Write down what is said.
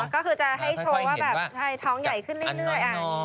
ก็คือจะให้โชว์ว่าแบบท้องใหญ่ขึ้นเรื่อย